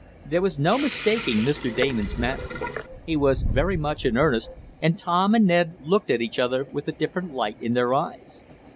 There was no mistaking Mr. Damon's manner. He was very much in earnest, and Tom and Ned looked at each other with a different light in their eyes.